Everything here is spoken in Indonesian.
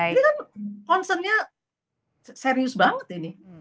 ini kan concern nya serius banget ini